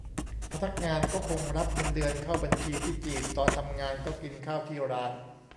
พนักงานก็คงรับเงินเดือนเข้าบัญชีที่จีน ตอนทำงานก็กินข้าวที่ร้าน